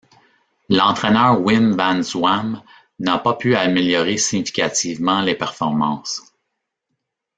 L'entraîneur Wim van Zwam n'a pas pu améliorer significativement les performances.